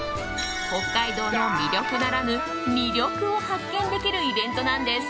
北海道の魅力ならぬ、味力を発見できるイベントなんです。